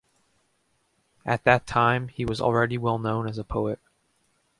At that time he was already well known as a poet.